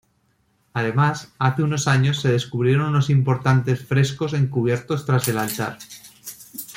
Además, hace unos años se descubrieron unos importantes frescos encubiertos tras el altar.